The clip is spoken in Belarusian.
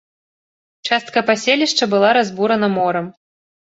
Частка паселішча была разбурана морам.